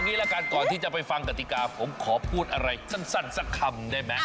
ตอนนี้นะครับก่อนที่จะไปฟังกฎิกราผมขอพูดอะไรสั้นสักคำได้ไหม